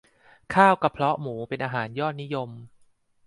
ข้าวกระเพาะหมูเป็นอาหารยอดนิยม